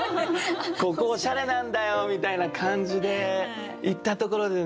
「ここおしゃれなんだよ」みたいな感じで行ったところでね。